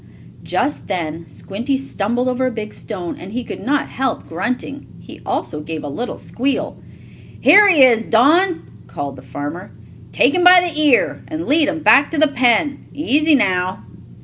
Just then Squinty stumbled over a big stone, and he could not help grunting. He also gave a little squeal. "Here he is, Don!" called the farmer. "Take him by the ear, and lead him back to the pen. Easy, now!"